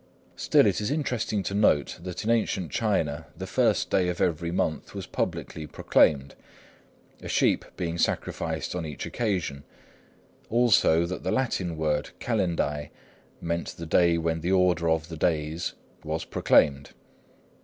Still it is interesting to note that in ancient China, the first day of every month was publicly proclaimed, a sheep being sacrificed on each occasion; also, that the Latin word kalendae meant the day when the order of days was proclaimed.